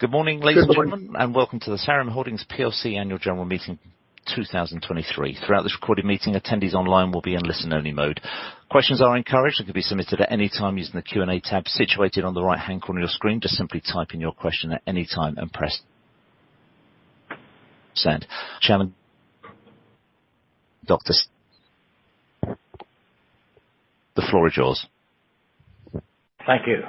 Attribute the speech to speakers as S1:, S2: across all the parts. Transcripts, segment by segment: S1: Good morning, ladies and gentlemen, and welcome to the Sareum Holdings plc Annual General Meeting 2023. Throughout this recorded meeting, attendees online will be in listen-only mode. Questions are encouraged and can be submitted at any time using the Q&A tab situated on the right-hand corner of your screen. Just simply type in your question at any time and press send. Chairman, Dr. Stephen Parker the floor is yours.
S2: Thank you.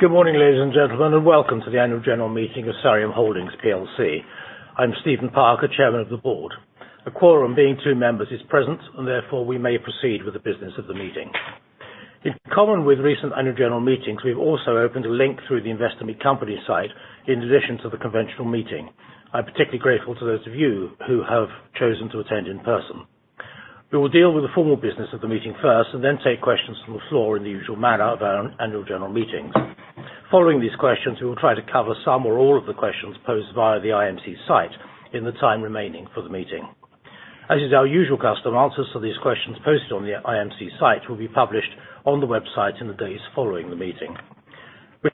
S2: Good morning, ladies and gentlemen, and welcome to the Annual General Meeting of Sareum Holdings PLC. I'm Stephen Parker, Chairman of the board. A quorum being two members is present, and therefore we may proceed with the business of the meeting. In common with recent annual general meetings, we've also opened a link through the Investor Meet Company site in addition to the conventional meeting. I'm particularly grateful to those of you who have chosen to attend in person. We will deal with the formal business of the meeting first, and then take questions from the floor in the usual manner of our annual general meetings. Following these questions, we will try to cover some or all of the questions posed via the IMC site in the time remaining for the meeting. As is our usual custom, answers to these questions posted on the IMC site will be published on the website in the days following the meeting.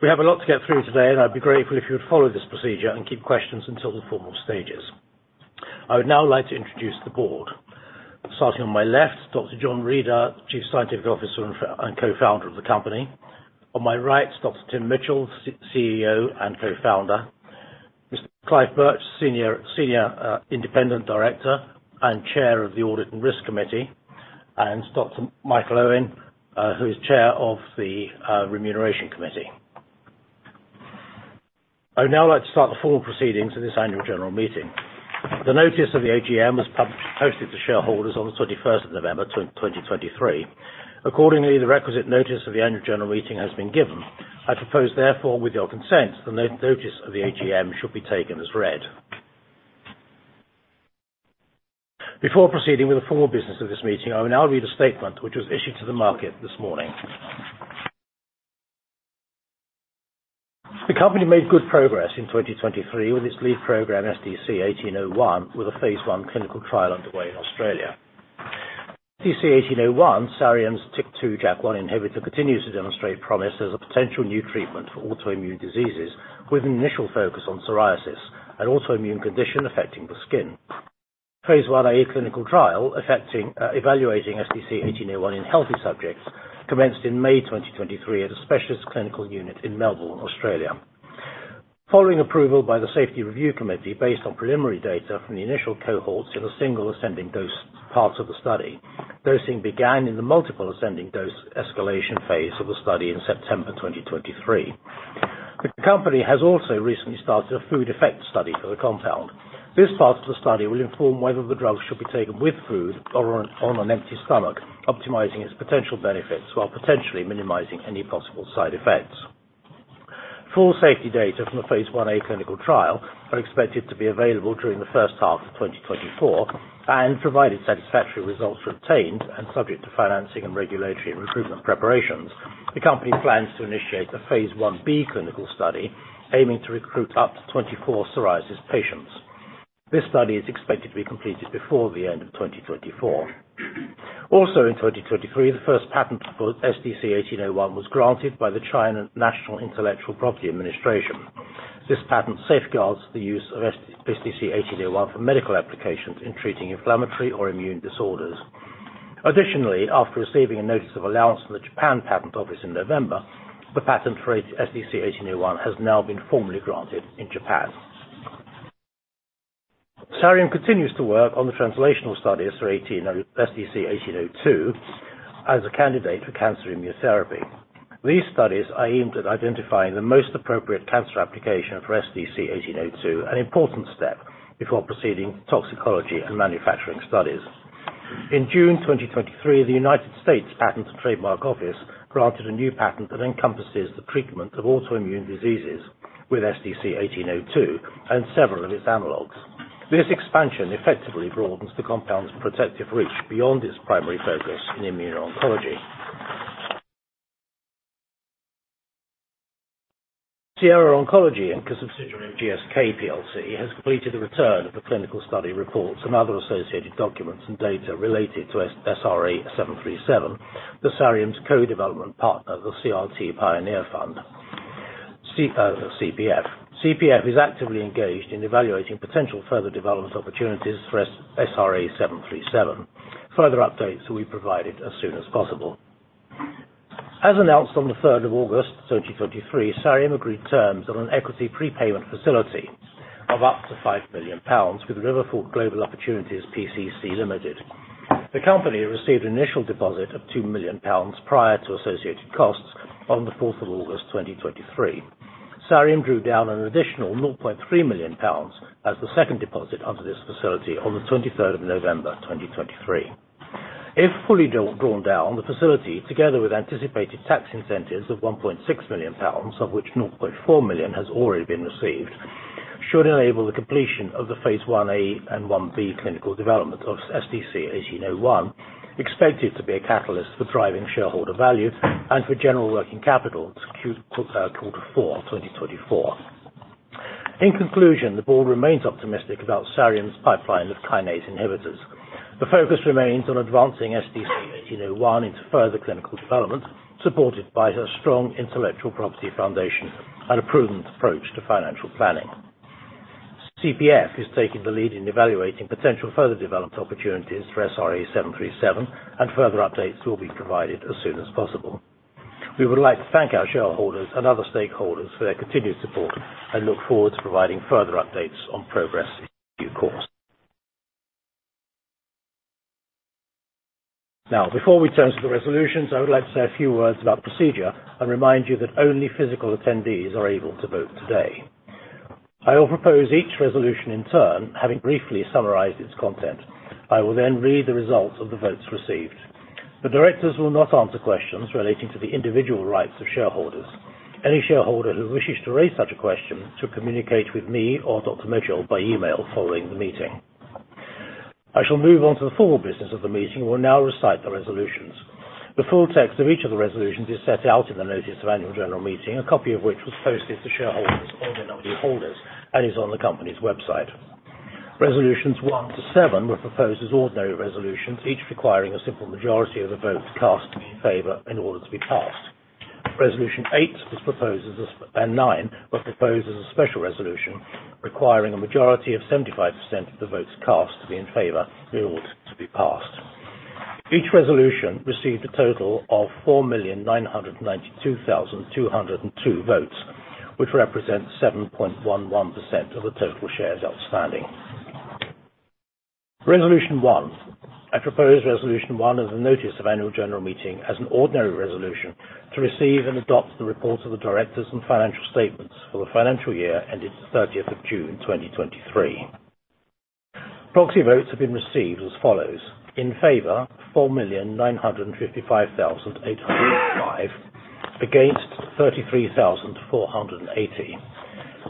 S2: We have a lot to get through today, and I'd be grateful if you would follow this procedure and keep questions until the formal stages. I would now like to introduce the board. Starting on my left, Dr. John Reader, Chief Scientific Officer and Co-founder of the company. On my right is Dr. Tim Mitchell, CEO and Co-founder. Mr. Clive Birch, Senior Independent Director and Chair of the Audit and Risk Committee, and Dr. Michael Owen, who is Chair of the Remuneration Committee. I would now like to start the formal proceedings of this annual general meeting. The notice of the AGM was posted to shareholders on the thirty-first of November, 2023. Accordingly, the requisite notice of the annual general meeting has been given. I propose, therefore, with your consent, the notice of the AGM should be taken as read. Before proceeding with the formal business of this meeting, I will now read a statement which was issued to the market this morning. The company made good progress in 2023, with its lead program, SDC-1801, with a phase I clinical trial underway in Australia. SDC-1801, Sareum's TYK2 JAK1 inhibitor, continues to demonstrate promise as a potential new treatment for autoimmune diseases, with an initial focus on psoriasis, an autoimmune condition affecting the skin. phase I-A clinical trial evaluating SDC-1801 in healthy subjects, commenced in May 2023 at a specialist clinical unit in Melbourne, Australia. Following approval by the Safety Review Committee, based on preliminary data from the initial cohorts in a single ascending dose part of the study, dosing began in the multiple ascending dose escalation phase of the study in September 2023. The company has also recently started a food effect study for the compound. This part of the study will inform whether the drug should be taken with food or on an empty stomach, optimizing its potential benefits while potentially minimizing any possible side effects. Full safety data from the phase I-A clinical trial are expected to be available during the first half of 2024, and provided satisfactory results are obtained and subject to financing and regulatory recruitment preparations, the company plans to initiate a phase I-B clinical study, aiming to recruit up to 24 psoriasis patients. This study is expected to be completed before the end of 2024. Also in 2023, the first patent for SDC-1801 was granted by the China National Intellectual Property Administration. This patent safeguards the use of SDC-1801 for medical applications in treating inflammatory or immune disorders. Additionally, after receiving a notice of allowance from the Japan Patent Office in November, the patent for SDC-1801 has now been formally granted in Japan. Sareum continues to work on the translational studies for SDC-1802 as a candidate for cancer immunotherapy. These studies are aimed at identifying the most appropriate cancer application for SDC-1802, an important step before proceeding toxicology and manufacturing studies. In June 2023, the United States Patent and Trademark Office granted a new patent that encompasses the treatment of autoimmune diseases with SDC-1802 and several of its analogs. This expansion effectively broadens the compound's protective reach beyond its primary focus in immune oncology. Sierra Oncology, a subsidiary of GSK plc, has completed a return of the clinical study reports and other associated documents and data related to SRA737, Sareum's co-development partner, the CRT Pioneer Fund (CPF). CPF is actively engaged in evaluating potential further development opportunities for SRA737. Further updates will be provided as soon as possible. As announced on the third of August 2023, Sareum agreed terms on an equity prepayment facility of up to 5 million pounds with RiverFort Global Opportunities PCC Limited. The company received an initial deposit of 2 million pounds prior to associated costs on the 4th of August 2023. Sareum drew down an additional 0.3 million pounds as the second deposit under this facility on the 23rd of November 2023. If fully drawn down, the facility, together with anticipated tax incentives of 1.6 million pounds, of which 0.4 million has already been received, should enable the completion of the phase I-A and phase I-B clinical development of SDC-1801, expected to be a catalyst for driving shareholder value and for general working capital to quarter four, 2024. In conclusion, the board remains optimistic about Sareum's pipeline of kinase inhibitors. The focus remains on advancing SDC-1801 into further clinical development, supported by a strong intellectual property foundation and a prudent approach to financial planning. CPF is taking the lead in evaluating potential further development opportunities for SRA737, and further updates will be provided as soon as possible. We would like to thank our shareholders and other stakeholders for their continued support and look forward to providing further updates on progress in due course. Now, before we turn to the resolutions, I would like to say a few words about procedure and remind you that only physical attendees are able to vote today. I will propose each resolution in turn, having briefly summarized its content. I will then read the results of the votes received. The directors will not answer questions relating to the individual rights of shareholders. Any shareholder who wishes to raise such a question, to communicate with me or Dr. Mitchell by email following the meeting. I shall move on to the formal business of the meeting. We will now recite the resolutions. The full text of each of the resolutions is set out in the notice of annual general meeting, a copy of which was posted to shareholders or the nominee holders and is on the company's website. Resolutions one to seven were proposed as ordinary resolutions, each requiring a simple majority of the votes cast in favor in order to be passed. Resolutions eight and nine were proposed as special resolutions, requiring a majority of 75% of the votes cast to be in favor in order to be passed. Each resolution received a total of 4,992,202 votes, which represents 7.11% of the total shares outstanding. Resolution 1. I propose Resolution 1 as a notice of annual general meeting, as an ordinary resolution to receive and adopt the reports of the directors and financial statements for the financial year ended thirtieth of June 2023. Proxy votes have been received as follows: In favor, 4,955,805. Against, 33,480.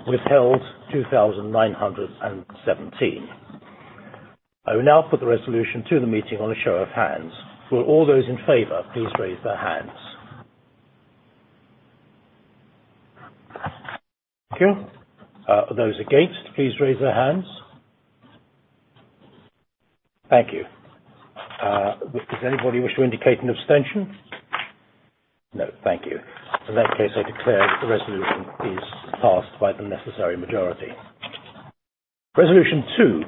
S2: Withheld, 2,917. I will now put the resolution to the meeting on a show of hands. Will all those in favor, please raise their hands? Thank you. Those against, please raise their hands. Thank you. Does anybody wish to indicate an abstention? No, thank you. In that case, I declare the resolution is passed by the necessary majority. Resolution two.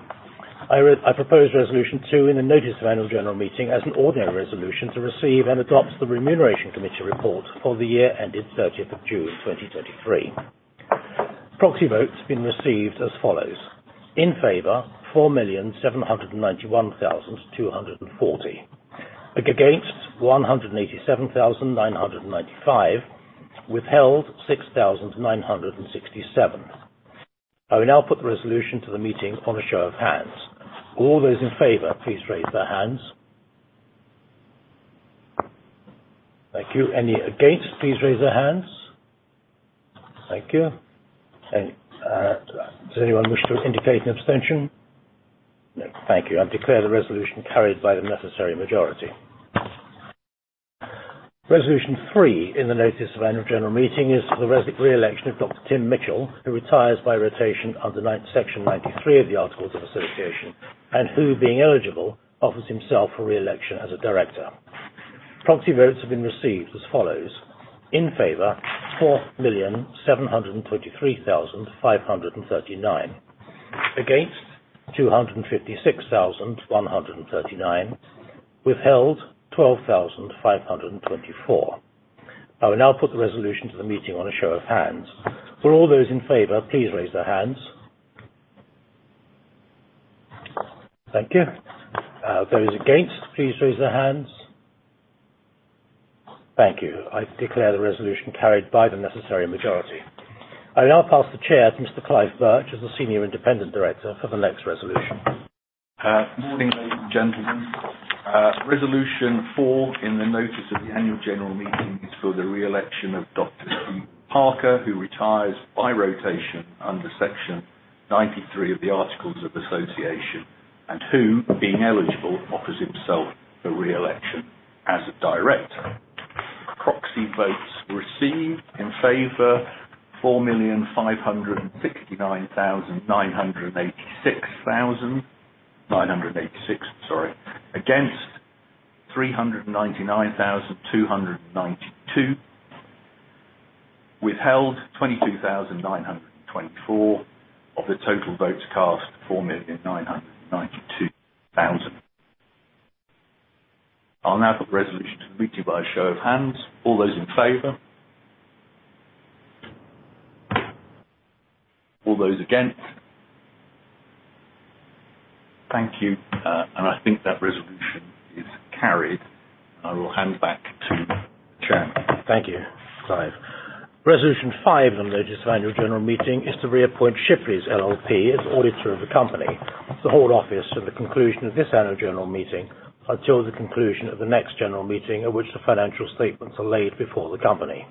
S2: I propose Resolution 2 in the notice of annual general meeting as an ordinary resolution to receive and adopt the Remuneration Committee report for the year ended thirtieth of June 2023. Proxy votes have been received as follows: In favor, 4,791,240. Against, 187,995. Withheld, 6,967. I will now put the resolution to the meeting on a show of hands. All those in favor, please raise their hands. Thank you. Any against, please raise their hands. Thank you. And, does anyone wish to indicate an abstention? No. Thank you. I declare the resolution carried by the necessary majority. Resolution 3 in the notice of annual general meeting is the re-election of Dr. Tim Mitchell, who retires by rotation under 9, section 93 of the Articles of Association, and who, being eligible, offers himself for re-election as a director. Proxy votes have been received as follows: In favor, 4,723,539. Against, 256,139. Withheld, 12,524. I will now put the resolution to the meeting on a show of hands. For all those in favor, please raise their hands. Thank you. Those against, please raise their hands. Thank you. I declare the resolution carried by the necessary majority. I now pass the chair to Mr. Clive Birch as the senior independent director for the next resolution.
S3: Good morning, ladies and gentlemen. Resolution 4 in the notice of the annual general meeting is for the reelection of Dr. Stephen Parker, who retires by rotation under Section 93 of the Articles of Association, and who, being eligible, offers himself for reelection as a director. Proxy votes received: In favor, 4,569,986. Against, 399,292. Withheld, 22,924, of the total votes cast, 4,992,000. I'll now put the resolution to the meeting by a show of hands. All those in favor? All those against? Thank you, and I think that resolution is carried. I will hand back to the chair.
S2: Thank you, Clive. Resolution 5 of the notice of annual general meeting is to reappoint Shipleys LLP as auditor of the company. To hold office from the conclusion of this annual general meeting until the conclusion of the next general meeting, at which the financial statements are laid before the company.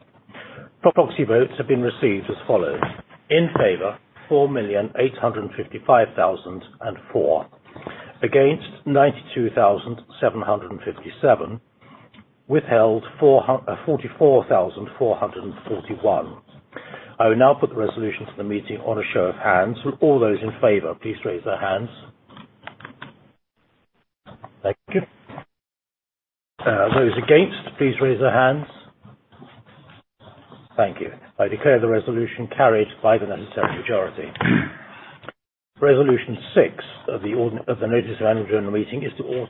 S2: Proxy votes have been received as follows: In favor, 4,855,004. Against, 92,757. Withheld, 44,441. I will now put the resolution to the meeting on a show of hands. Will all those in favor, please raise their hands? Thank you. Those against, please raise their hands. Thank you. I declare the resolution carried by the necessary majority. Resolution 6 of the notice of annual general meeting is to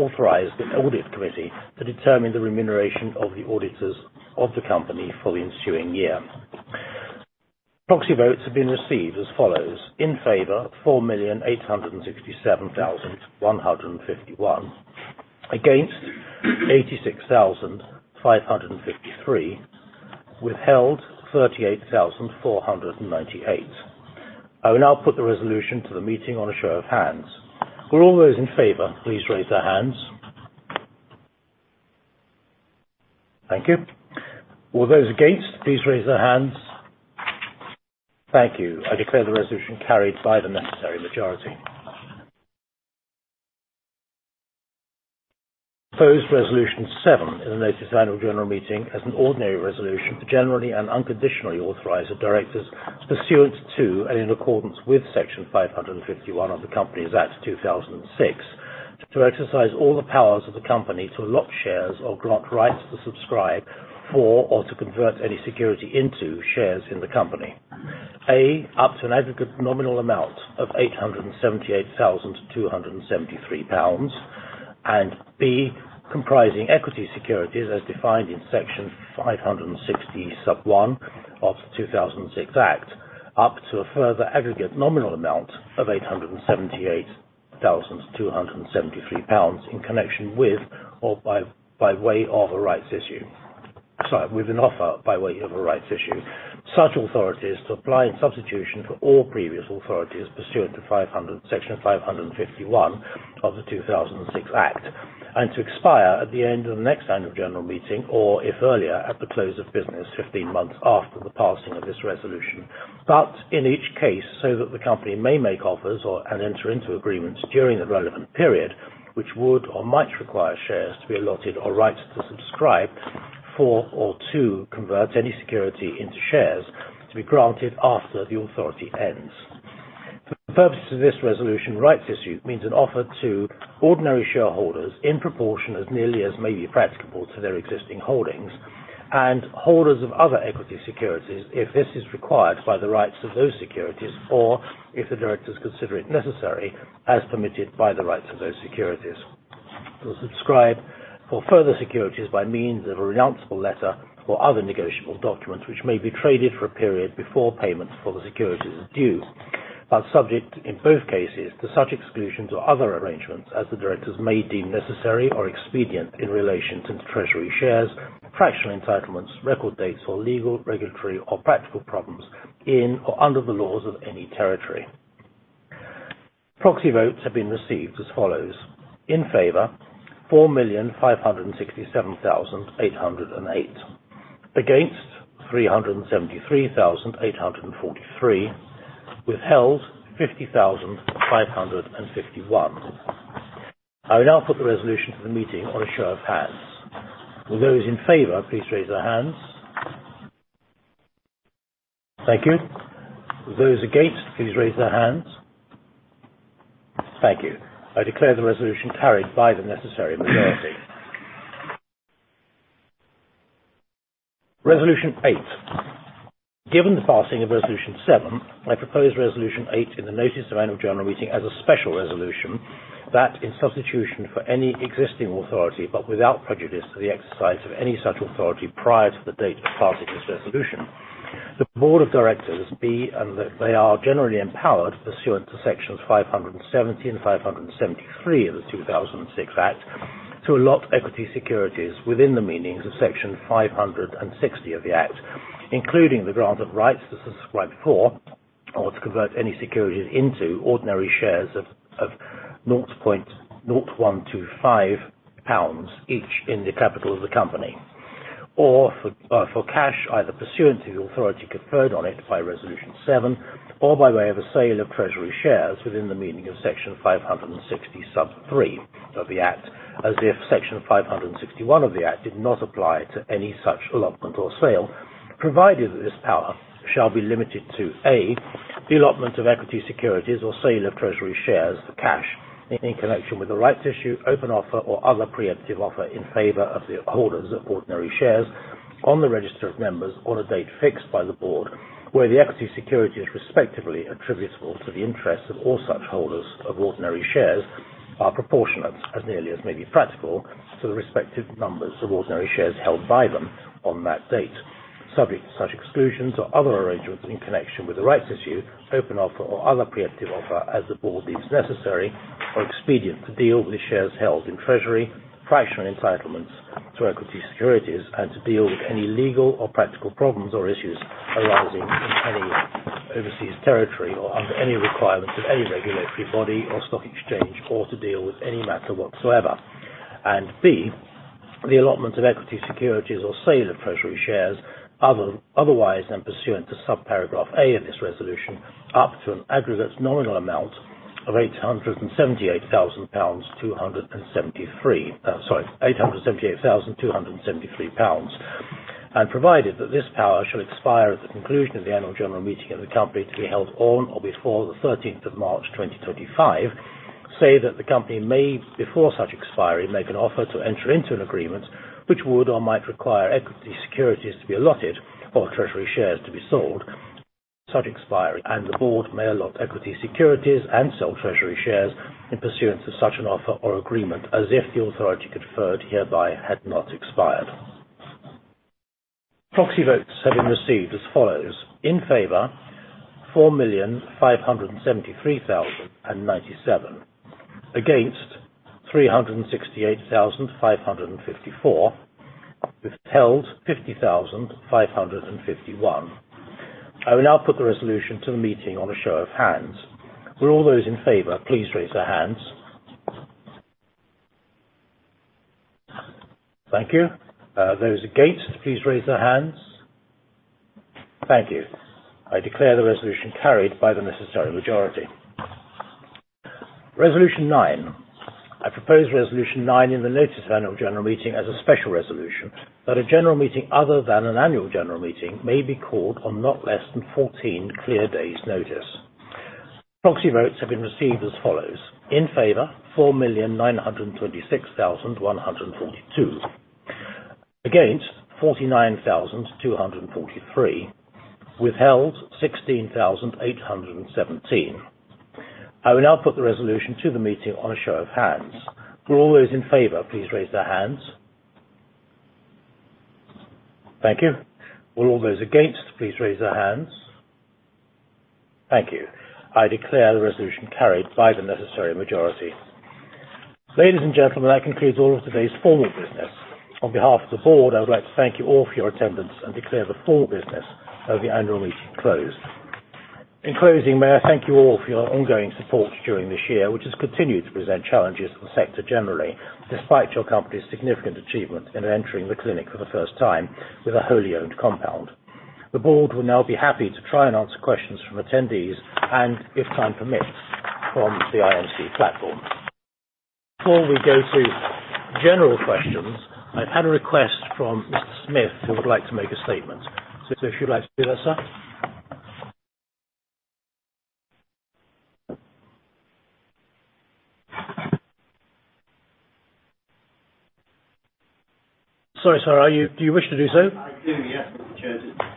S2: authorize the audit committee to determine the remuneration of the auditors of the company for the ensuing year. Proxy votes have been received as follows: in favor, 4,867,151. Against, 86,553. Withheld, 38,498. I will now put the resolution to the meeting on a show of hands. Will all those in favor, please raise their hands? Thank you. Will those against, please raise their hands? Thank you. I declare the resolution carried by the necessary majority. Proposed Resolution 7 in the notice of annual general meeting, as an ordinary resolution to generally and unconditionally authorize the directors, pursuant to, and in accordance with Section 551 of the Companies Act 2006, to exercise all the powers of the company to allot shares or grant rights to subscribe for, or to convert any security into shares in the company. (A) up to an aggregate nominal amount of 878,273 pounds, and (B) comprising equity securities as defined in Section 560(1) of the 2006 Act, up to a further aggregate nominal amount of 878,273 pounds, in connection with or by way of a rights issue. Sorry, with an offer by way of a rights issue. Such authority is to apply in substitution for all previous authorities pursuant to Section 551 of the 2006 Act, and to expire at the end of the next annual general meeting, or if earlier, at the close of business, 15 months after the passing of this resolution. But in each case, so that the company may make offers or, and enter into agreements during the relevant period, which would or might require shares to be allotted, or rights to subscribe for, or to convert any security into shares to be granted after the authority ends. For the purposes of this resolution, rights issue means an offer to ordinary shareholders in proportion, as nearly as may be practicable to their existing holdings. Holders of other equity securities, if this is required by the rights of those securities, or if the directors consider it necessary, as permitted by the rights of those securities, to subscribe for further securities by means of a renounced letter or other negotiable documents, which may be traded for a period before payments for the securities is due, but subject, in both cases, to such exclusions or other arrangements as the directors may deem necessary or expedient in relation to the treasury shares, fractional entitlements, record dates, or legal, regulatory, or practical problems in or under the laws of any territory. Proxy votes have been received as follows: in favor, 4,567,808. Against, 373,843. Withheld, 50,551. I will now put the resolution to the meeting on a show of hands. Will those in favor, please raise their hands? Thank you. Will those against, please raise their hands? Thank you. I declare the resolution carried by the necessary majority. Resolution eight. Given the passing of Resolution 7, I propose Resolution 8 in the notice of annual general meeting as a special resolution, that in substitution for any existing authority, but without prejudice to the exercise of any such authority prior to the date of passing this resolution, the board of directors be, and that they are generally empowered pursuant to Sections 570 and 573 of the 2006 Act, to allot equity securities within the meanings of Section 560 of the Act, including the grant of rights to subscribe for, or to convert any securities into ordinary shares of 0.0125 pounds each in the capital of the company. Or for, for cash, either pursuant to the authority conferred on it by Resolution 7, or by way of a sale of treasury shares within the meaning of Section 560 sub 3 of the Act, as if Section 561 of the Act did not apply to any such allotment or sale. Provided that this power shall be limited to A, the allotment of equity securities or sale of treasury shares for cash in connection with the rights issue, open offer, or other preemptive offer in favor of the holders of ordinary shares on the register of members on a date fixed by the board, where the equity security is respectively attributable to the interests of all such holders of ordinary shares, are proportionate, as nearly as may be practical, to the respective numbers of ordinary shares held by them on that date. Subject to such exclusions or other arrangements in connection with the rights issue, open offer, or other preemptive offer, as the board deems necessary or expedient to deal with the shares held in treasury, fractional entitlements to equity securities, and to deal with any legal or practical problems or issues arising in any overseas territory, or under any requirement of any regulatory body or stock exchange, or to deal with any matter whatsoever. And B, the allotment of equity securities or sale of treasury shares otherwise than pursuant to subparagraph A of this resolution, up to an aggregate nominal amount of 878,273 pounds. 878,273 pounds, and provided that this power shall expire at the conclusion of the annual general meeting of the company to be held on or before the thirteenth of March, 2025. Say that the company may, before such expiry, make an offer to enter into an agreement which would or might require equity securities to be allotted or treasury shares to be sold, such expiry, and the board may allot equity securities and sell treasury shares in pursuance of such an offer or agreement, as if the authority conferred hereby had not expired. Proxy votes have been received as follows: in favor, 4,573,097. Against, 368,554. Withheld, 50,551. I will now put the resolution to the meeting on a show of hands. Will all those in favor, please raise their hands. Thank you. Those against, please raise their hands. Thank you. I declare the resolution carried by the necessary majority. Resolution 9. I propose Resolution 9 in the notice of annual general meeting as a special resolution, that a general meeting, other than an annual general meeting, may be called on not less than 14 clear days' notice. Proxy votes have been received as follows: in favor, 4,926,142. Against, 49,243. Withheld, 16,817. I will now put the resolution to the meeting on a show of hands. Will all those in favor, please raise their hands. Thank you. Will all those against, please raise their hands. Thank you. I declare the resolution carried by the necessary majority. Ladies and gentlemen, that concludes all of today's formal business. On behalf of the board, I would like to thank you all for your attendance and declare the full business of the annual meeting closed. In closing, may I thank you all for your ongoing support during this year, which has continued to present challenges to the sector generally, despite your company's significant achievement in entering the clinic for the first time with a wholly owned compound. The board will now be happy to try and answer questions from attendees and, if time permits, from the IMC platform. Before we go to general questions, I've had a request from Mr. Smith, who would like to make a statement. So if you'd like to do that, sir? Sorry, sir, do you wish to do so?
S4: I do, yes, Mr.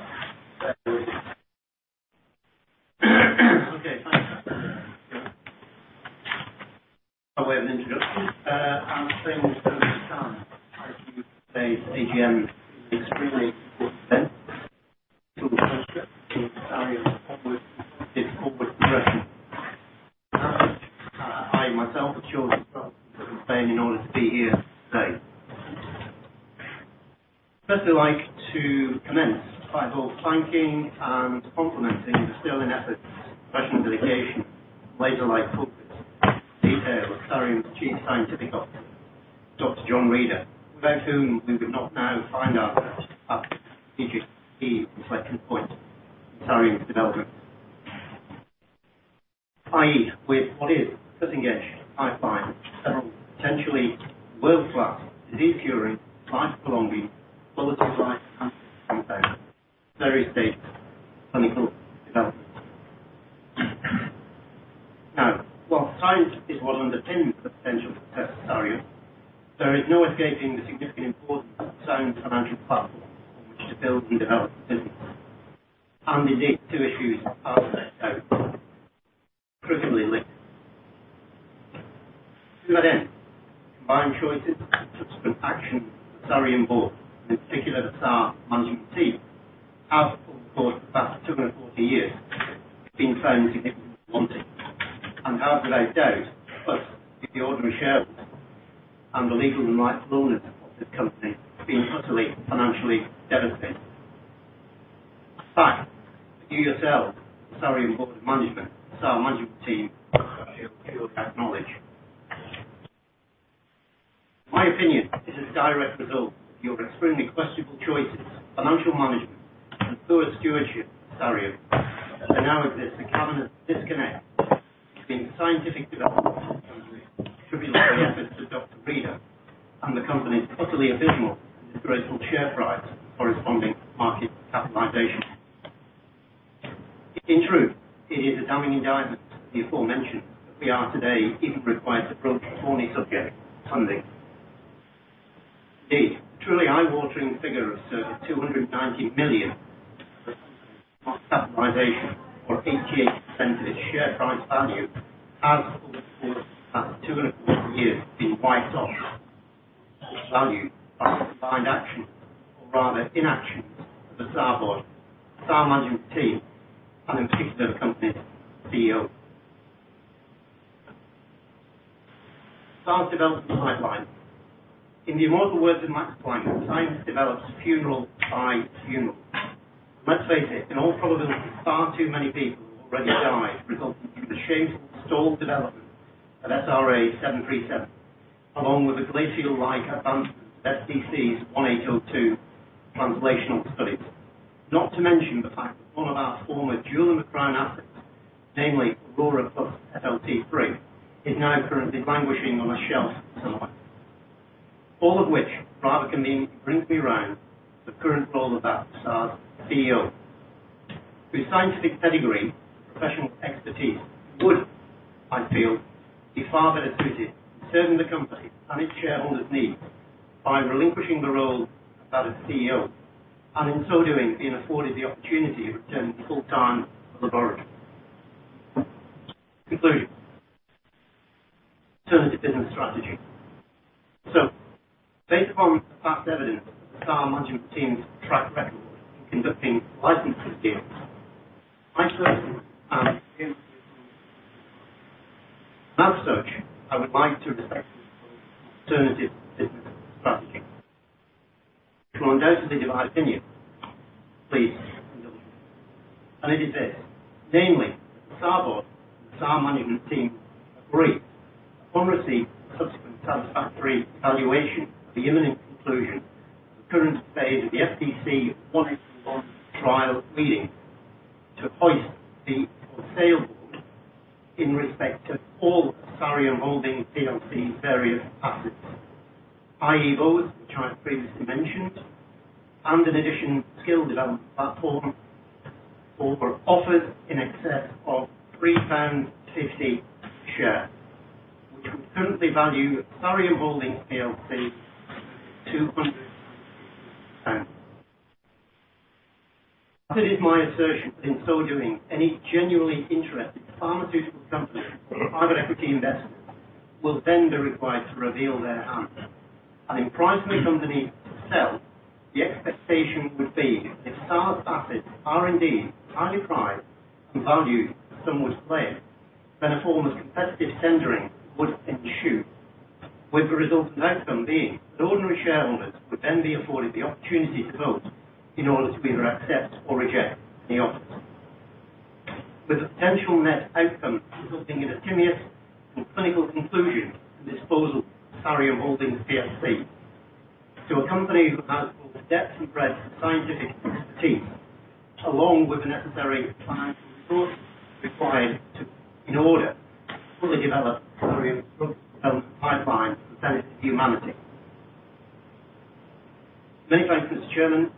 S4: In truth, it is a damning indictment of the aforementioned, that we are today even required to broach the thorny subject of funding. The truly eye-watering figure of 290 million of capitalization, or 88% of its share price value, has over the course of the past 2.25 years, been wiped off. This value, by combined action, or rather inaction, of the Sareum board, Sareum management team, and in particular, the company's CEO. Sareum's development pipeline. In the immortal words of Max Planck, "Science develops funeral by funeral." Let's face it, in all probabilities, far too many people have already died resulting from the severely stalled development of SRA737, along with the glacial-like advances of SDC-1802 translational studies. Not to mention the fact that one of our former jewel in the crown assets, namely Aurora plus FLT3, is now currently languishing on a shelf somewhere. All of which rather convened brings me around to the current role of our CEO. His scientific pedigree and professional expertise would, I feel, be far better suited to serving the company and its shareholders' needs by relinquishing the role of CEO, and in so doing, being afforded the opportunity to return to full-time laboratory. Conclusion: alternative business strategy. So based upon the fact evidence of our management team's track record in conducting licensing deals, my personal and as such, I would like to respect alternative business strategies. If you want an identity of our opinion, please. Mr. Chairman.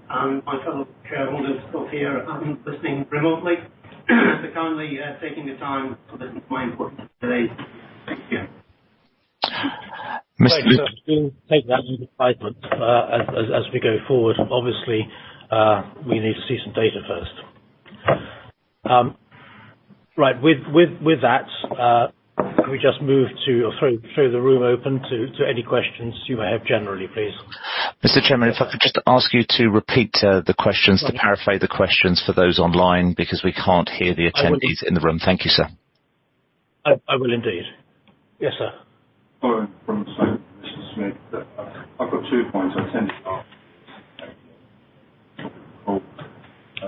S4: My fellow shareholders here listening remotely, for kindly taking the time for this my important today. Thank you.
S2: We'll take that under advisement. As we go forward, obviously, we need to see some data first. Right. With that, can we just move to, or throw the room open to any questions you may have generally, please?
S1: Mr. Chairman, if I could just ask you to repeat the questions to clarify the questions for those online, because we can't hear the attendees in the room. Thank you, sir.
S2: I will indeed. Yes, sir.
S4: Hi, from Mr. Smith. I've got two points. I tend to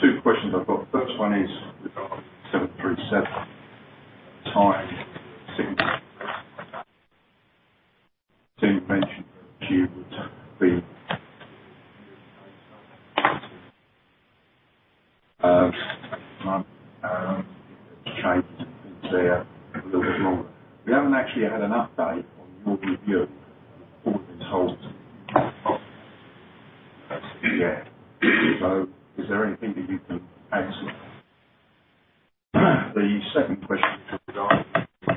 S4: two questions I've got. First one is regarding SRA737, time since mentioned you would be changed a little bit longer. We haven't actually had an update on your review for this whole. So is there anything that you can add to it? The second question is,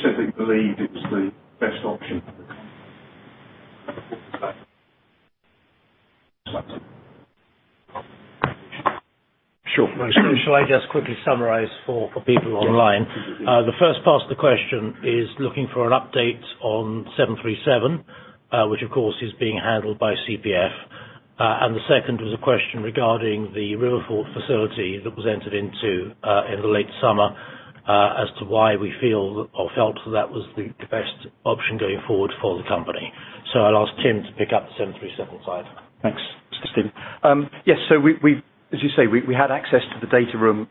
S4: simply believe it was the best option.
S2: Sure. Shall I just quickly summarize for people online? Yes, please. The first part of the question is looking for an update on 737, which of course is being handled by CPF. And the second was a question regarding the RiverFort facility that was entered into in the late summer, as to why we feel or felt that was the best option going forward for the company. So I'll ask Tim to pick up the 737 side.
S5: Thanks, Mr. Chairman. Yes. So we've had access to the data room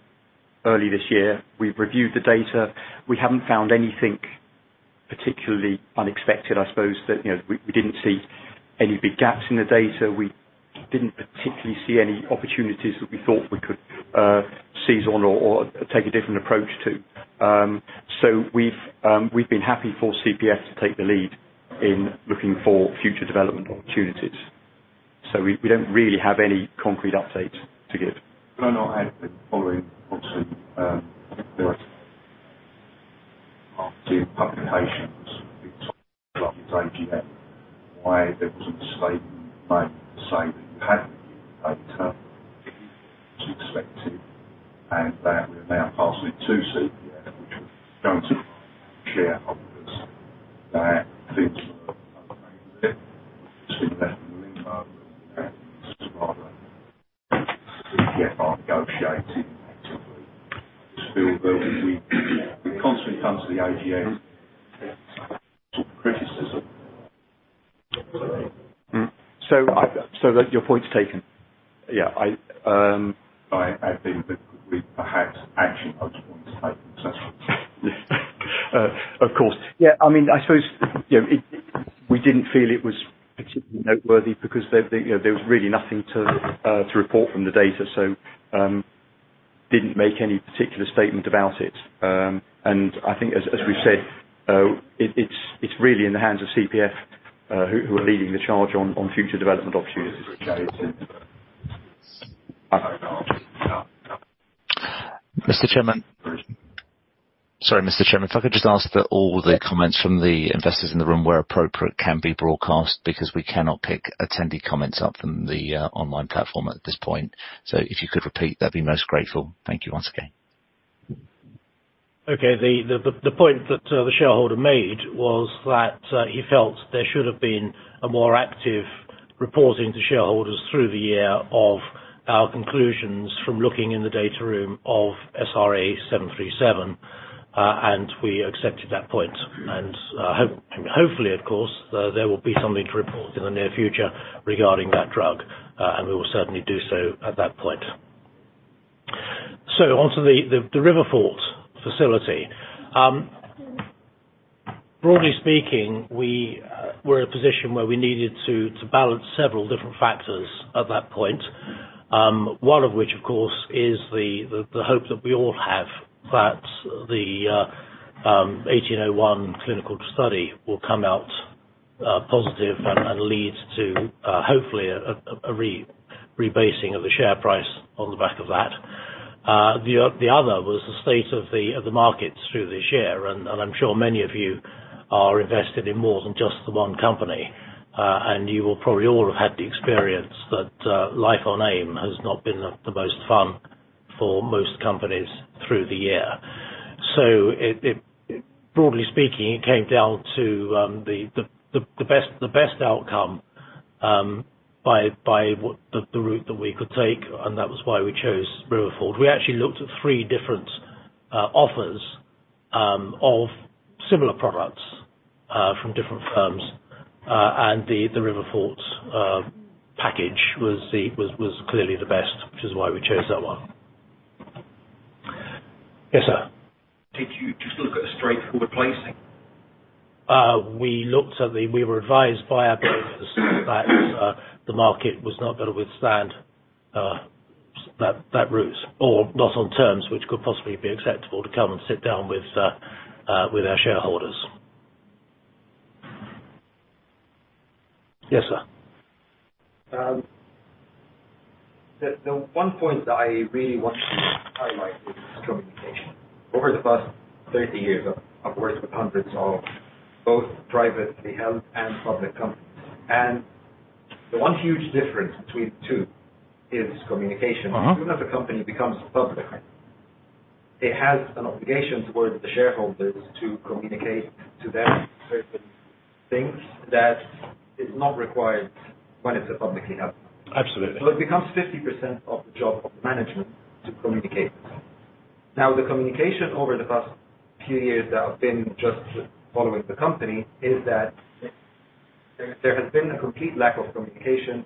S5: early this year. We've reviewed the data. We haven't found anything particularly unexpected. I suppose that, you know, we didn't see any big gaps in the data. We didn't particularly see any opportunities that we thought we could seize on or take a different approach to. So we've been happy for CPF to take the lead in looking for future development opportunities. So we don't really have any concrete updates to give.
S4: No, no, I had the following on, too, after publications, why there wasn't a statement made saying that you had as expected, and that we're now passing it to CPF, which was going to shareholders, that things were negotiating. I just feel that we constantly come to the AGS to criticize.
S5: So that your point's taken. Yeah, I...
S4: I think that we perhaps action points taken, so.
S5: Of course. Yeah, I mean, I suppose, you know, we didn't feel it was particularly noteworthy because, you know, there was really nothing to report from the data, so, didn't make any particular statement about it. And I think as we've said, it's really in the hands of CPF, who are leading the charge on future development opportunities.
S1: Mr. Chairman. Sorry, Mr. Chairman, if I could just ask that all the comments from the investors in the room, where appropriate, can be broadcast because we cannot pick attendee comments up from the online platform at this point. So if you could repeat, that'd be most grateful. Thank you once again.
S2: Okay. The point that the shareholder made was that he felt there should have been a more active reporting to shareholders through the year of our conclusions from looking in the data room of SRA737. And we accepted that point, and hopefully, of course, there will be something to report in the near future regarding that drug, and we will certainly do so at that point. So onto the RiverFort facility. Broadly speaking, we were in a position where we needed to balance several different factors at that point. One of which, of course, is the hope that we all have that the 1801 clinical study will come out positive and lead to, hopefully, a rebasing of the share price on the back of that. The other was the state of the markets through this year, and I'm sure many of you are invested in more than just the one company. And you will probably all have had the experience that life on AIM has not been the most fun for most companies through the year. So it broadly speaking came down to the best outcome by what the route that we could take, and that was why we chose RiverFort. We actually looked at three different offers of similar products from different firms, and the RiverFort package was clearly the best, which is why we chose that one. Yes, sir.
S4: Did you just look at a straightforward placing?
S2: We were advised by our bankers that the market was not gonna withstand that route, or not on terms which could possibly be acceptable to come and sit down with our shareholders. Yes, sir.
S4: The one point that I really want to highlight is communication. Over the past 30 years, I've worked with hundreds of both privately held and public companies, and the one huge difference between the two is communication.
S2: Uh-huh.
S4: Even if a company becomes public, it has an obligation towards the shareholders to communicate to them certain things that is not required when it's a publicly held.
S2: Absolutely.
S4: So it becomes 50% of the job of management to communicate. Now, the communication over the past few years that I've been just following the company, is that there has been a complete lack of communication.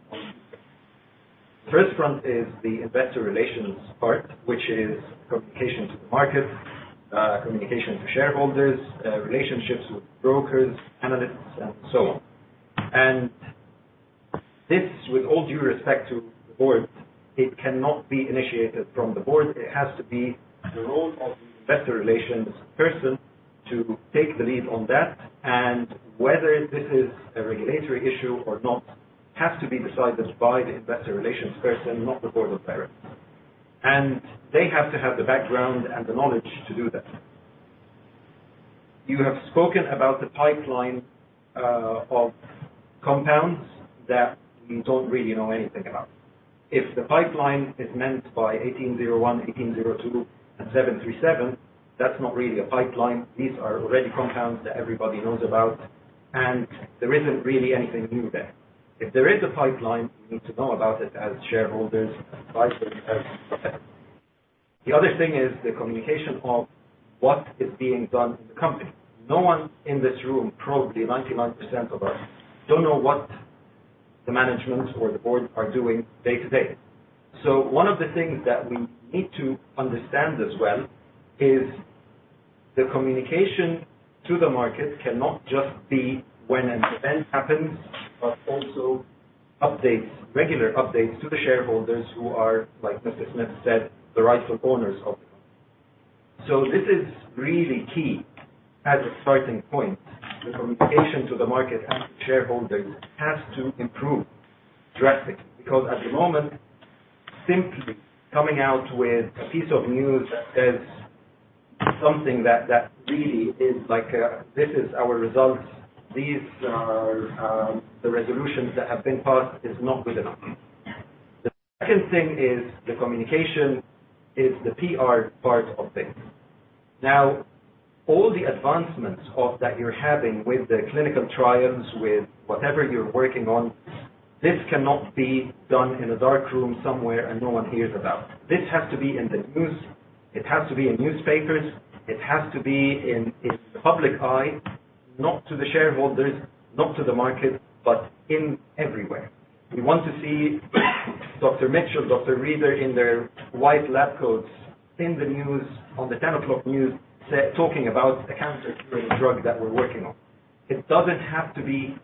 S4: First one is the investor relations part, which is communication to the market, communication to shareholders, relationships with brokers, analysts, and so on. And this, with all due respect to the board, it cannot be initiated from the board. It has to be the role of the investor relations person to take the lead on that, and whether this is a regulatory issue or not, has to be decided by the investor relations person, not the board of directors. And they have to have the background and the knowledge to do that. You have spoken about the pipeline, of compounds that we don't really know anything about. If the pipeline is meant by 1801, 1802, and 737, that's not really a pipeline. These are already compounds that everybody knows about, and there isn't really anything new there. If there is a pipeline, we need to know about it as shareholders and advisors as well. The other thing is the communication of what is being done in the company. No one in this room, probably 99% of us, don't know what the management or the board are doing day to day. So one of the things that we need to understand as well, is the communication to the market cannot just be when an event happens, but also updates, regular updates to the shareholders who are, like Mr. Smith said, the rightful owners of the company. So this is really key as a starting point. The communication to the market and the shareholders has to improve drastically, because at the moment, simply coming out with a piece of news that is something that really is like a, "This is our results. These are, the resolutions that have been passed," is not good enough. The second thing is the communication, is the PR part of things. Now, all the advancements of that you're having with the clinical trials, with whatever you're working on, this cannot be done in a dark room somewhere and no one hears about. This has to be in the news. It has to be in newspapers, it has to be in, in the public eye, not to the shareholders, not to the market, but in everywhere. We want to see Dr. Mitchell, Dr. Reader, in their white lab coats, in the news, on the 10 o'clock news, say, talking about the cancer-curing drug that we're working on. It doesn't have to be...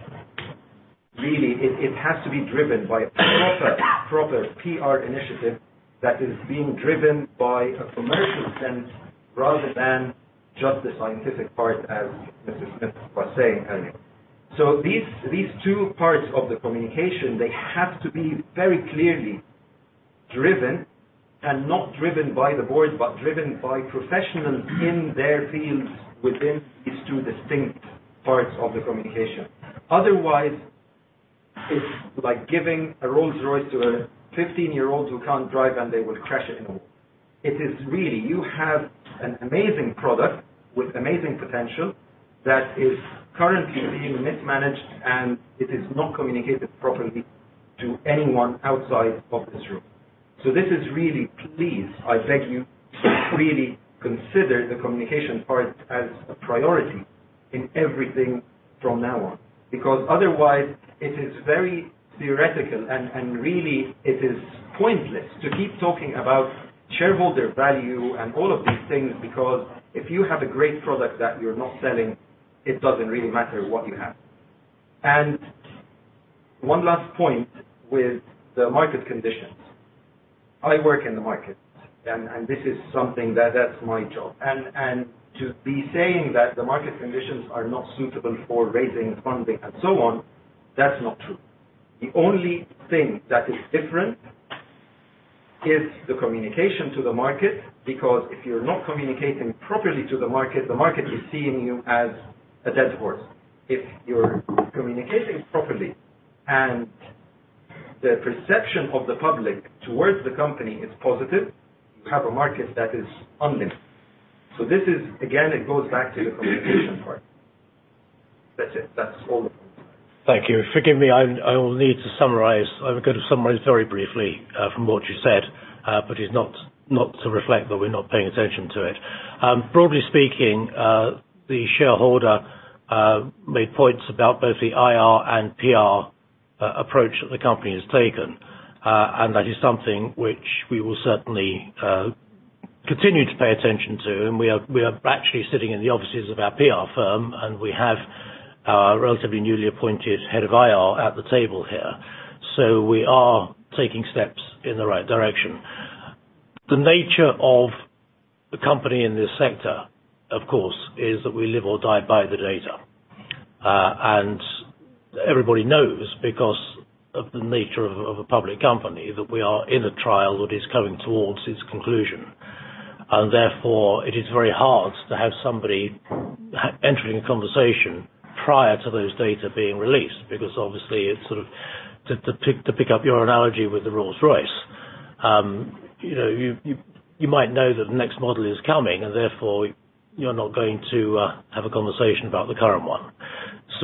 S4: Really, it, it has to be driven by a proper, proper PR initiative that is being driven by a commercial sense rather than just the scientific part, as Mr. Smith was saying earlier. So these, these two parts of the communication, they have to be very clearly driven, and not driven by the board, but driven by professionals in their fields within these two distinct parts of the communication. Otherwise, it's like giving a Rolls-Royce to a 15-year-old who can't drive, and they would crash it and all. It is really, you have an amazing product with amazing potential that is currently being mismanaged, and it is not communicated properly to anyone outside of this room. So this is really, please, I beg you, really consider the communication part as a priority in everything from now on, because otherwise it is very theoretical and really, it is pointless to keep talking about shareholder value and all of these things, because if you have a great product that you're not selling, it doesn't really matter what you have. One last point with the market conditions. I work in the market, and this is something that's my job. To be saying that the market conditions are not suitable for raising funding and so on, that's not true. The only thing that is different is the communication to the market, because if you're not communicating properly to the market, the market is seeing you as a dead horse. If you're communicating properly and the perception of the public towards the company is positive, you have a market that is unlimited. So this is, again, it goes back to the communication part. That's it. That's all.
S2: Thank you. Forgive me, I'm- I will need to summarize. I'm going to summarize very briefly from what you said, but it's not, not to reflect that we're not paying attention to it. Broadly speaking, the shareholder made points about both the IR and PR approach that the company has taken. And that is something which we will certainly continue to pay attention to, and we are, we are actually sitting in the offices of our PR firm, and we have our relatively newly appointed head of IR at the table here. So we are taking steps in the right direction. The nature of the company in this sector, of course, is that we live or die by the data. And everybody knows, because of the nature of a public company, that we are in a trial that is coming towards its conclusion. And therefore, it is very hard to have somebody entering a conversation prior to those data being released, because obviously, it's sort of to pick up your analogy with the Rolls-Royce, you know, you might know that the next model is coming, and therefore, you're not going to have a conversation about the current one.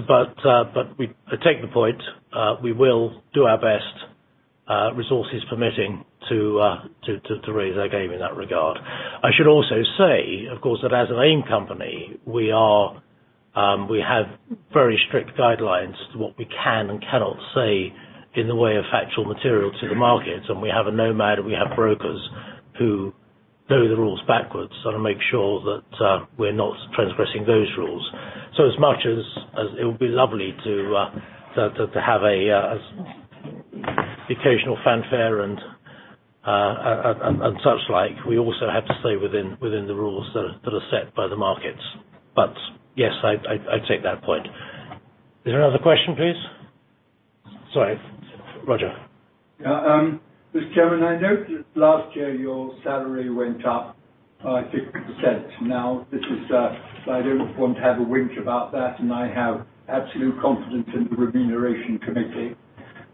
S2: But I take the point. We will do our best, resources permitting, to raise our game in that regard. I should also say, of course, that as an AIM company, we are, we have very strict guidelines to what we can and cannot say in the way of factual material to the markets, and we have a nomad, and we have brokers who know the rules backwards, so to make sure that, we're not transgressing those rules. So as much as, as it would be lovely to, to have a, the occasional fanfare and, and such like, we also have to stay within, within the rules that are, that are set by the markets. But yes, I'd take that point. Is there another question, please? Sorry, Roger.
S4: Yeah, Mr. Chairman, I noted last year your salary went up by 50%. Now, this is, I don't want to have a wink about that, and I have absolute confidence in the Remuneration Committee.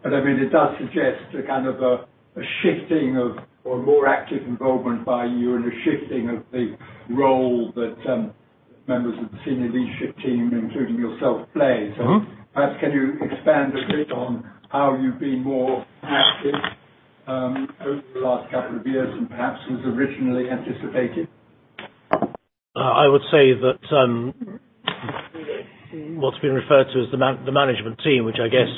S4: But, I mean, it does suggest a kind of a, a shifting of, or more active involvement by you, and a shifting of the role that, members of the senior leadership team, including yourself, play.
S2: Mm-hmm.
S4: So perhaps can you expand a bit on how you've been more active, over the last couple of years and perhaps was originally anticipated?
S2: I would say that what's been referred to as the management team, which I guess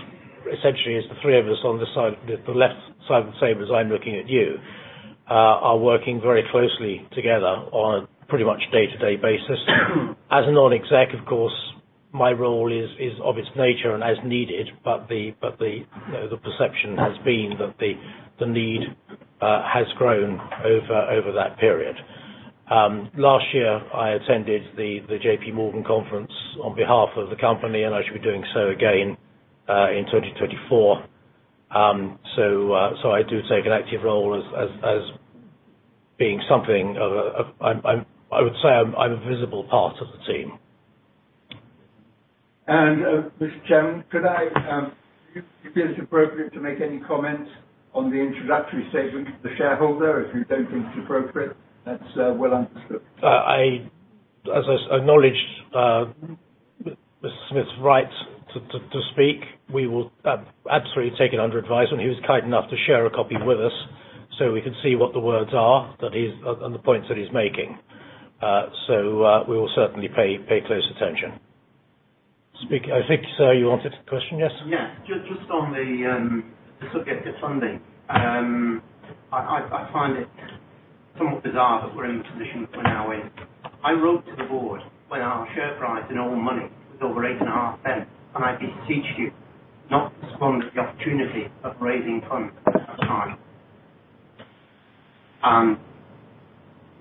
S2: essentially is the three of us on this side, the left side of the table, as I'm looking at you, are working very closely together on a pretty much day-to-day basis. As a non-exec, of course, my role is of its nature and as needed, but the perception has been that the need has grown over that period. Last year, I attended the J.P. Morgan conference on behalf of the company, and I shall be doing so again in 2024. So I do take an active role as being something of a—I would say I'm a visible part of the team.
S4: Mr. Chairman, could I do you feel it's appropriate to make any comments on the introductory statement to the shareholder? If you don't think it's appropriate, that's well understood.
S2: I, as I acknowledged, Smith's right to speak. We will absolutely take it under advice, and he was kind enough to share a copy with us so we could see what the words are that he's, and the points that he's making. So, we will certainly pay close attention. Speak, I think, sir, you wanted to question, yes?
S4: Yeah. Just on the subject of funding. I find it somewhat bizarre that we're in the position we're now in. I wrote to the board when our share price in all money was over 8.5%, and I beseech you not to respond to the opportunity of raising funds at the time.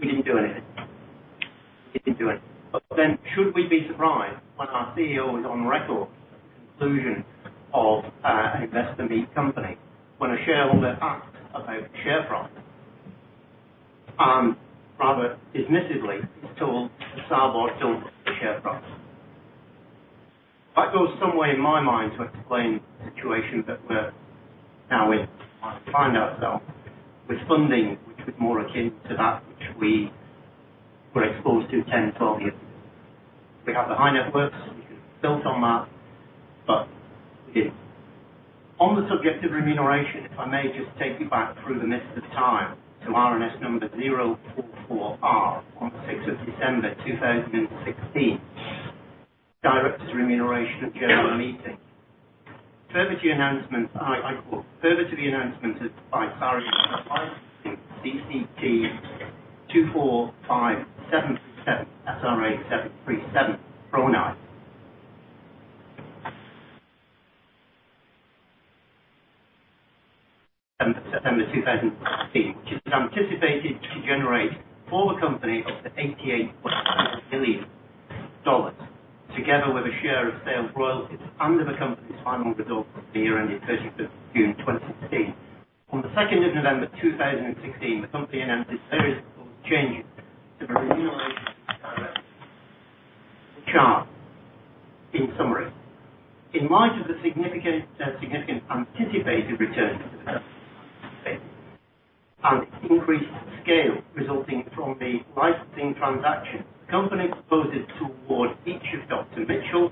S4: We didn't do anything. We didn't do it. But then, should we be surprised when our CEO is on record at the conclusion of an Investor Meet Company when a shareholder asks about the share price, rather dismissively, he's told the board don't care about share price? That goes some way in my mind to explain the situation that we're now in. We find ourselves with funding, which is more akin to that which we were exposed to 10 years, 12 years ago. We have the high net worth. We built on that, but on the subject of remuneration, if I may just take you back through the midst of time to RNS number 044R on the 6th of December, 2016. Director's remuneration at general meeting. Further to the announcement by CRT 24577 SRA737 program. September 2016, which is anticipated to generate for the company up to $88 million, together with a share of sales royalties under the company's final results of the year ending 31st June, 2016. On the 2nd of November, 2016, the company announced a series of changes to the remuneration chart. In summary, in light of the significant, significant anticipated return and increased scale resulting from the licensing transaction, the company proposes to award each of Dr. Mitchell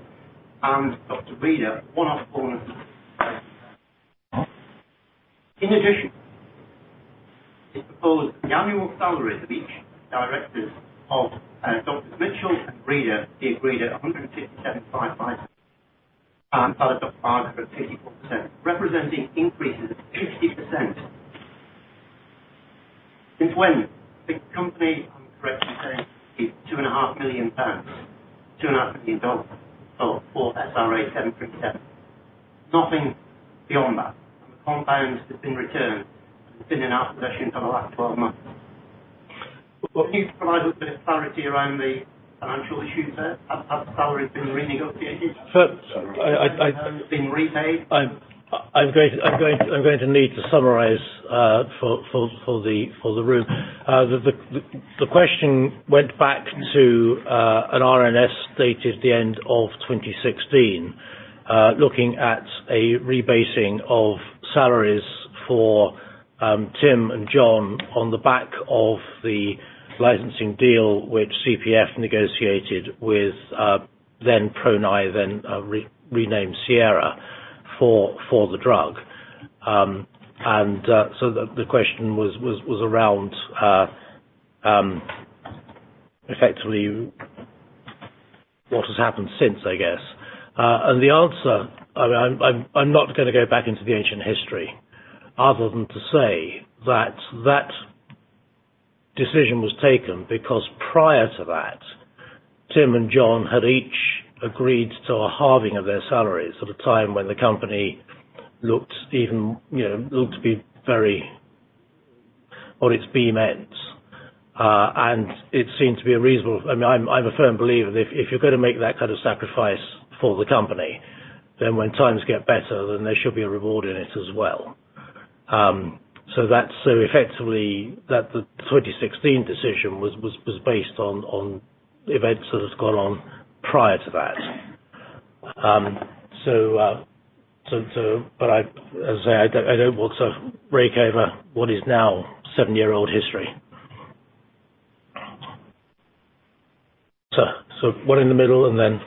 S4: and Dr. Reader one-off bonus. In addition, it proposed the annual salaries of each directors of Doctors Mitchell and Reader be agreed at 157,555, and other doctor at 54%, representing increases of 50%. Since when the company, if I'm correct in saying, 2.5 million pounds, $2.5 million for SRA737, nothing beyond that. The compounds have been returned and been in our possession for the last 12 months. Will you provide a bit of clarity around the financial issues there? Have the salaries been renegotiated?
S2: First, I-
S4: Been repaid.
S2: I'm going to need to summarize for the room. The question went back to an RNS dated at the end of 2016. Looking at a rebasing of salaries for Tim and John on the back of the licensing deal, which CPF negotiated with then ProNAi, then re-renamed Sierra for the drug. And so the question was around effectively what has happened since, I guess. And the answer, I'm not gonna go back into the ancient history, other than to say that decision was taken because prior to that, Tim and John had each agreed to a halving of their salaries at a time when the company looked even, you know, looked to be very on its beam ends. And it seemed to be a reasonable—I mean, I'm a firm believer if you're going to make that kind of sacrifice for the company, then when times get better, then there should be a reward in it as well. So that's, so effectively, that the 2016 decision was based on events that has gone on prior to that. But I—As I say, I don't want to rake over what is now seven-year-old history. So one in the middle, and then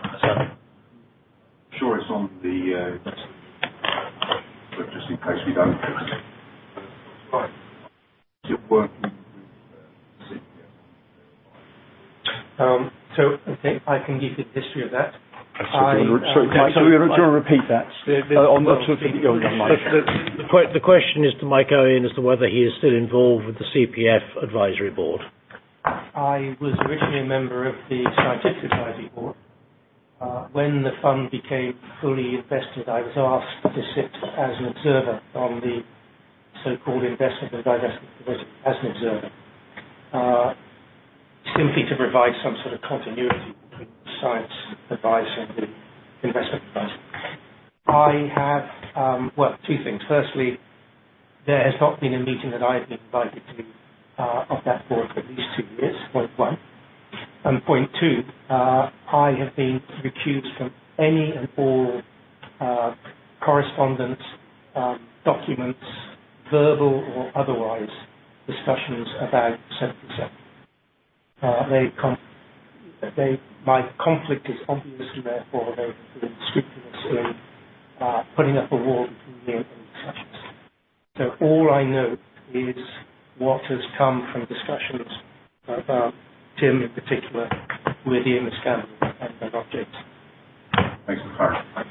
S2: sir.
S4: Sure. It's on the, just in case we don't
S6: I think I can give the history of that.
S2: Sorry, Mike, do repeat that. On the question is to Mike Owen, as to whether he is still involved with the CPF advisory board.
S6: I was originally a member of the scientific advisory board. When the fund became fully invested, I was asked to sit as an observer on the so-called investment and divestment, as an observer. Simply to provide some sort of continuity between the science advice and the investment advice. I have, well, two things. Firstly, there has not been a meeting that I have been invited to, of that board for at least two years, point one. And point two, I have been recused from any and all corresponding documents, verbal or otherwise, discussions about 77. They, my conflict is obviously therefore very scrupulous in putting up a wall between me and discussions. So all I know is what has come from discussions about Tim, in particular, with Ian Miscampbell and then objects.
S7: Thanks, Mike.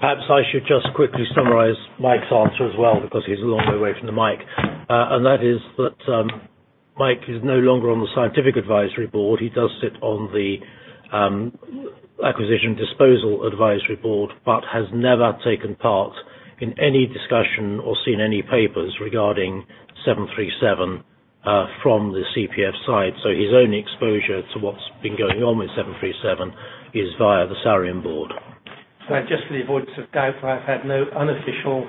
S2: Perhaps I should just quickly summarize Mike's answer as well, because he's a long way away from the mic. And that is that, Mike is no longer on the scientific advisory board. He does sit on the, acquisition disposal advisory board, but has never taken part in any discussion or seen any papers regarding SRA737, from the CPF side. So his only exposure to what's been going on with SRA737 is via the Sareum board.
S6: So just for the avoidance of doubt, I've had no unofficial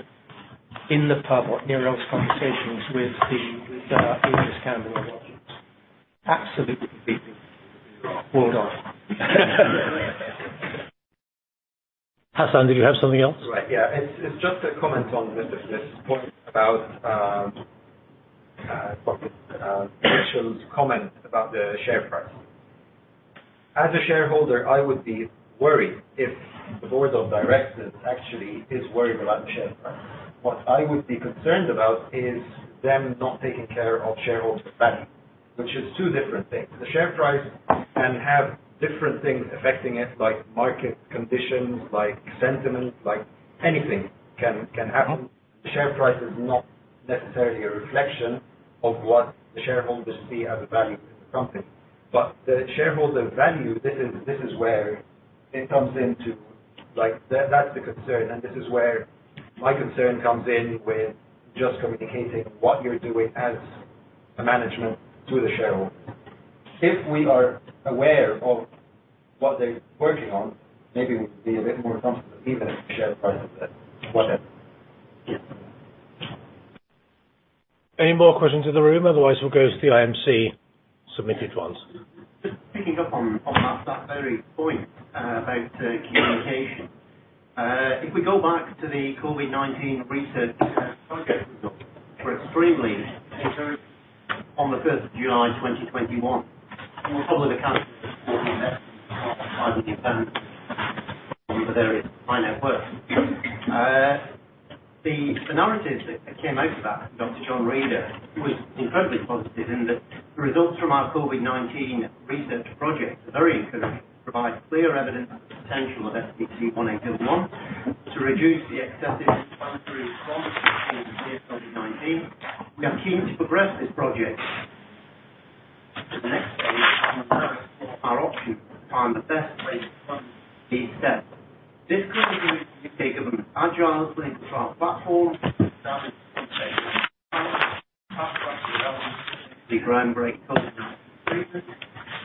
S6: in the pub or near conversations with the SCN-101 and SD-101. Absolutely, completely pulled off.
S2: Hassan, did you have something else?
S4: Right. Yeah. It's just a comment on this point about Mitchell's comment about the share price. As a shareholder, I would be worried if the board of directors actually is worried about the share price. What I would be concerned about is them not taking care of shareholders' value, which is two different things. The share price can have different things affecting it, like market conditions, like sentiment, like anything can happen. The share price is not necessarily a reflection of what the shareholders see as a value in the company. But the shareholder value, this is where it comes into, like, that's the concern, and this is where my concern comes in with just communicating what you're doing as a management to the shareholders. If we are aware of what they're working on, maybe we'd be a bit more comfortable to see the share price, but whatever.
S2: Any more questions in the room? Otherwise, we'll go to the IMC submitted ones.
S4: Just picking up on that very point about communication. If we go back to the COVID-19 research project, were extremely on the first of July 2021. And probably the current investment in the advance over there is high network. The narratives that came out of that, Dr. John Reader, was incredibly positive in that the results from our COVID-19 research project are very encouraging, provide clear evidence of the potential of SDC-1801 to reduce the excessive pulmonary response in COVID-19. We are keen to progress this project to the next stage, our options to find the best way to fund these steps. This could give an agile platform development, the groundbreaking treatment.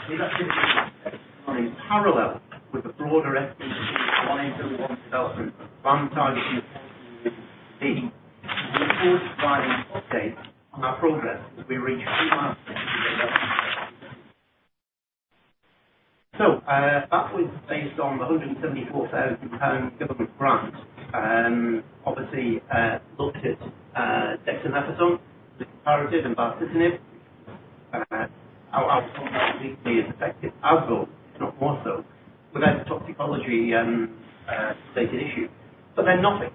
S4: These activities run in parallel with the broader SDC-1801 development of 2014. We look forward to providing updates on our progress as we reach new milestones. So, that was based on the 174,000 pound government grant, obviously looked at dexamethasone, the comparator and baricitinib. Our completely effective although, if not more so, but then toxicology safety issue, but then nothing.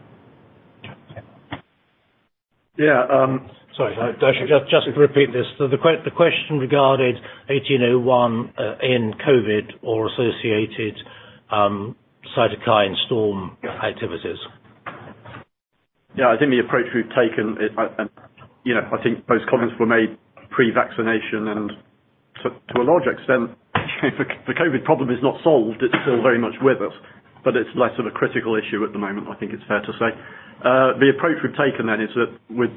S2: Yeah, sorry, I should just repeat this. So the question regarding 1801 in COVID or associated cytokine storm activities.
S7: Yeah, I think the approach we've taken is, you know, I think those comments were made pre-vaccination, and to a large extent, the COVID problem is not solved. It's still very much with us, but it's less of a critical issue at the moment, I think it's fair to say. The approach we've taken then is that with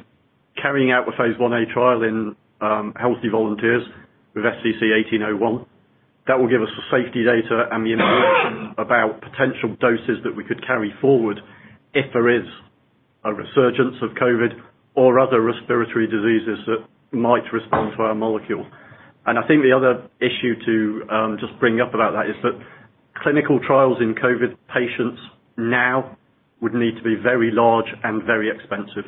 S7: carrying out the phase I-A trial in healthy volunteers with SDC-1801, that will give us the safety data and the information about potential doses that we could carry forward if there is a resurgence of COVID or other respiratory diseases that might respond to our molecule. And I think the other issue to just bring up about that is that clinical trials in COVID patients now would need to be very large and very expensive.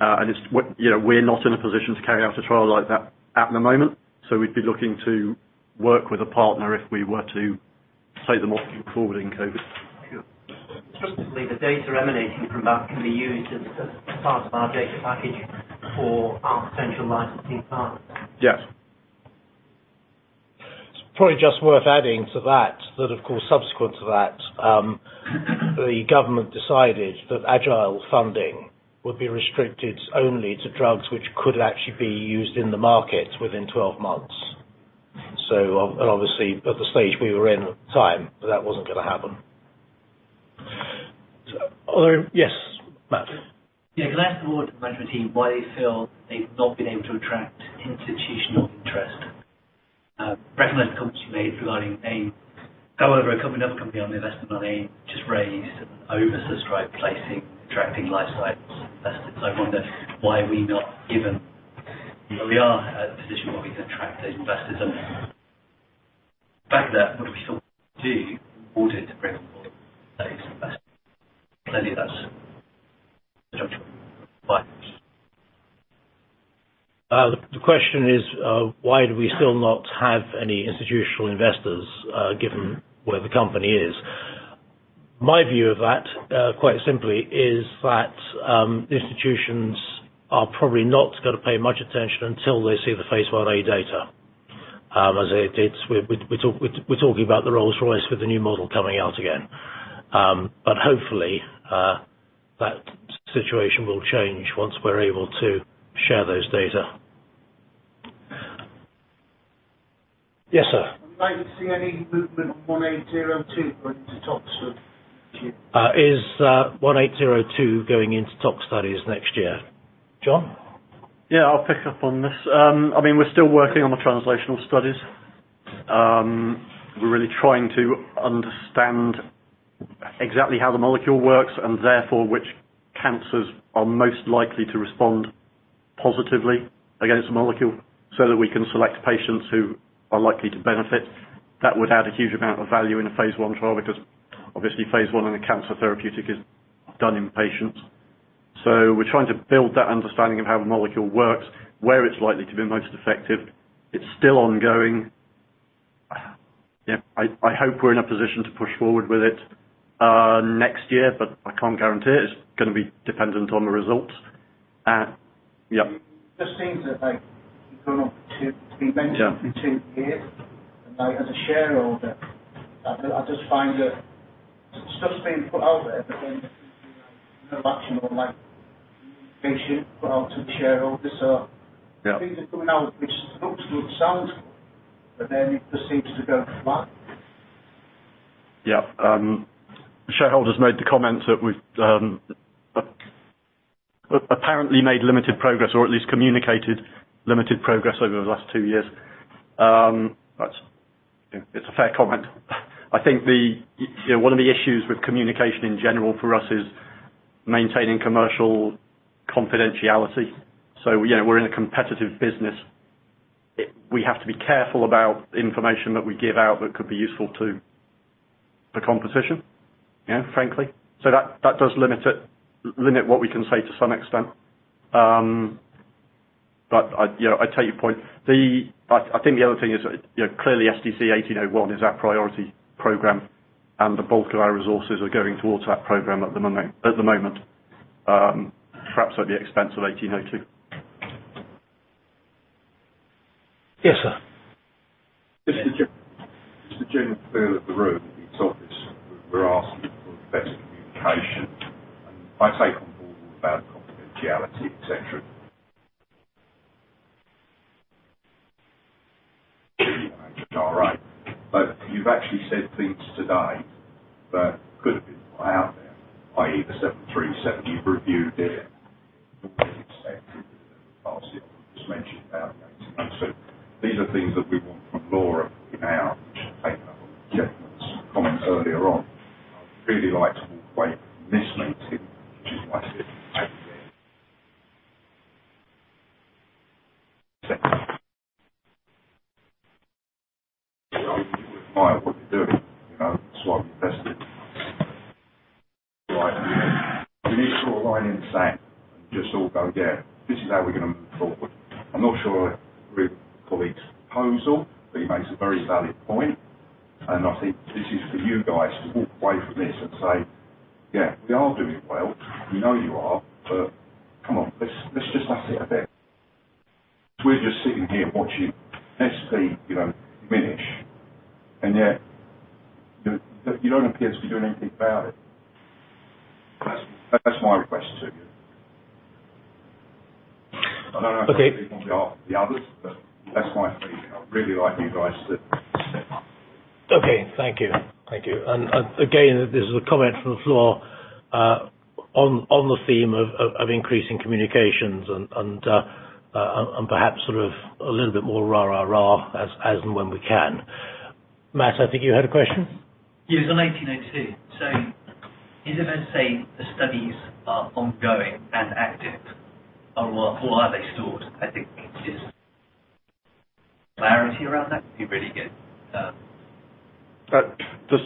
S7: And it's what... You know, we're not in a position to carry out a trial like that at the moment, so we'd be looking to work with a partner if we were to take the molecule forward in COVID.
S4: Importantly, the data emanating from that can be used as part of our data package for our potential licensing path.
S7: Yes.
S2: It's probably just worth adding to that, that of course, subsequent to that, the government decided that agile funding would be restricted only to drugs, which could actually be used in the market within 12 months. So obviously, at the stage we were in at the time, that wasn't going to happen. So although... Yes, Matt?
S4: Yeah. Can I ask the board management team why they feel they've not been able to attract institutional interest? Recognize the comments you made regarding AIM. However, a company, another company on the Investor Meet Company just raised an oversubscribed placing, attracting life sciences investors. I wonder, why are we not given—we are at a position where we can attract investors and but we still do want it to bring on some investors. I think that's the judgment. Bye.
S2: The question is, why do we still not have any institutional investors, given where the company is? My view of that, quite simply, is that, institutions are probably not gonna pay much attention until they see the phase I-A data. As it is, we're talking about the Rolls-Royce with the new model coming out again. But hopefully, that situation will change once we're able to share those data. Yes, sir.
S4: Are you likely to see any movement on 1802 going into tox next year?
S2: Is 1802 going into tox studies next year? John?
S7: Yeah, I'll pick up on this. I mean, we're still working on the translational studies. We're really trying to understand exactly how the molecule works, and therefore, which cancers are most likely to respond positively against the molecule so that we can select patients who are likely to benefit. That would add a huge amount of value in a phase I trial because obviously, phase I in a cancer therapeutic is done in patients. So we're trying to build that understanding of how the molecule works, where it's likely to be most effective. It's still ongoing. Yeah, I, I hope we're in a position to push forward with it next year, but I can't guarantee it. It's gonna be dependent on the results. Yeah.
S4: Just seems that like you've gone on to-
S7: Yeah.
S4: Been mentioned for two years, and I, as a shareholder, I just, I just find that stuff's being put out there, but then, you know, like, communication put out to the shareholders, so things are coming out, which looks good, but then it just seems to go flat.
S7: Yeah. Shareholders made the comments that we've apparently made limited progress, or at least communicated limited progress over the last two years. That's... It's a fair comment. I think you know, one of the issues with communication in general for us is maintaining commercial confidentiality. So, you know, we're in a competitive business. We have to be careful about the information that we give out that could be useful to the competition, yeah, frankly. So that does limit what we can say to some extent. But I, you know, I take your point. I think the other thing is that, you know, clearly SDC-1801 is our priority program, and the bulk of our resources are going towards that program at the moment, at the moment, perhaps at the expense of 1802.
S2: Yes, sir.
S4: Just a general feel of the room, it's obvious we're asking for better communication, and I take on board about confidentiality, etc. But you've actually said things today that could have been out there, i.e., the SRA737 you've reviewed it, just mentioned. So these are things that we want from Laura now, comments earlier on. I'd really like to walk away from this meeting, what you're doing. You know, that's why we invested. We need to draw a line in the sand and just all go, "Yeah, this is how we're gonna move forward." I'm not sure I agree with my colleague's proposal, but he makes a very valid point, and I think this is for you guys to walk away from this and say, "Yeah, we are doing well." We know you are, but come on, let's, let's just up it a bit. We're just sitting here watching SP, you know, diminish, and yet, you, you don't appear to be doing anything about it. That's, that's my request to you.
S2: Okay.
S4: I don't know if the others, but that's my feeling. I'd really like you guys to step up.
S2: Okay, thank you. Thank you. And again, this is a comment from the floor on the theme of increasing communications and perhaps sort of a little bit more rah-rah-rah, as and when we can. Matt, I think you had a question?
S4: Yes, on 1802. So is it fair to say the studies are ongoing and active, or are they stored? I think just clarity around that would be really good.
S7: Just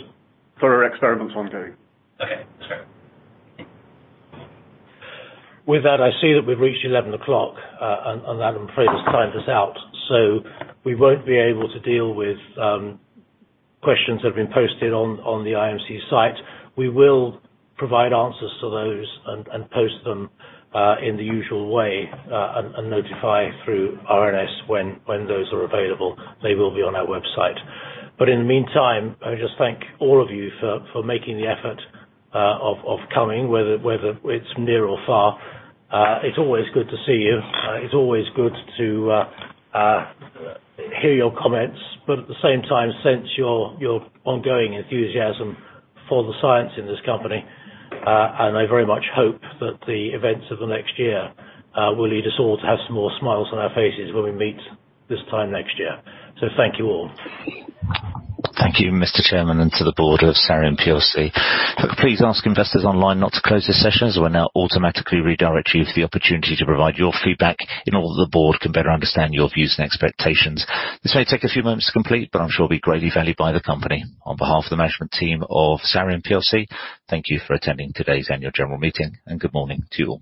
S7: sort of experiments are ongoing.
S4: Okay, that's great.
S2: With that, I see that we've reached 11:00 A.M., and Adam Pears timed us out. So we won't be able to deal with questions that have been posted on the IMC site. We will provide answers to those and post them in the usual way, and notify through RNS when those are available. They will be on our website. But in the meantime, I just thank all of you for making the effort of coming, whether it's near or far. It's always good to see you. It's always good to hear your comments, but at the same time, sense your ongoing enthusiasm for the science in this company. I very much hope that the events of the next year will lead us all to have some more smiles on our faces when we meet this time next year. So thank you all.
S1: Thank you, Mr. Chairman, and to the Board of Sareum plc. Please ask investors online not to close this session, as we'll now automatically redirect you with the opportunity to provide your feedback in order that the board can better understand your views and expectations. This may take a few moments to complete, but I'm sure will be greatly valued by the company. On behalf of the management team of Sareum plc, thank you for attending today's annual general meeting, and good morning to you all.